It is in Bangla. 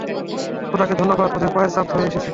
খোদাকে ধন্যবাদ, ওদের পায়ের ছাপ ধরে এসেছি।